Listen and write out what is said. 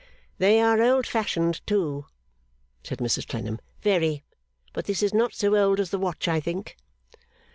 'They are old fashioned, too,' said Mrs Clennam. 'Very. But this is not so old as the watch, I think?